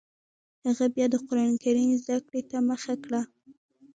هغه بیا د قران کریم زده کړې ته مخه کړه